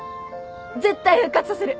絶対復活させる！